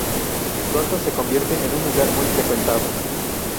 Pronto se convierte en un lugar muy frecuentado.